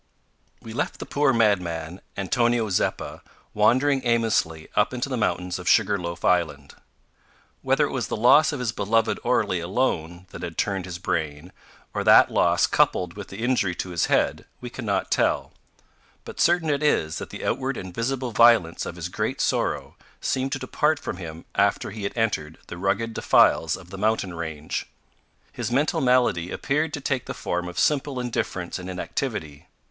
We left the poor madman, Antonio Zeppa, wandering aimlessly up into the mountains of Sugar loaf Island. Whether it was the loss of his beloved Orley alone that had turned his brain, or that loss coupled with the injury to his head, we cannot tell, but certain it is that the outward and visible violence of his great sorrow seemed to depart from him after he had entered the rugged defiles of the mountain range. His mental malady appeared to take the form of simple indifference and inactivity.